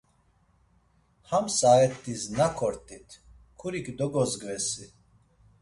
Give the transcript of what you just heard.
Ham saat̆is nak ort̆it, kurik dogozgvesi?